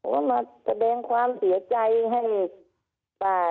เขามาแบงความเสียใจให้ป้า